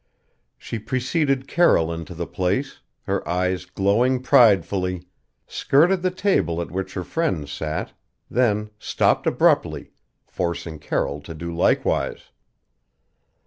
She preceded Carroll into the place, her eyes glowing pridefully, skirted the table at which her friends sat, then stopped abruptly, forcing Carroll to do likewise.